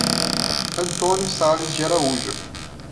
Antônio Sales de Araújo